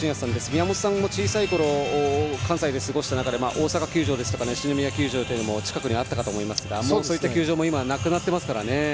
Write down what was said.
宮本さんも小さいころ関西で過ごした中で大阪球場や西宮球場も近くにあったかと思いますがそういった球場も今は、なくなってますからね。